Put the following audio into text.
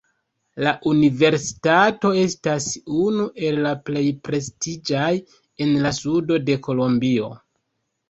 La universitato estas unu el la plej prestiĝaj en la sudo de kolombio.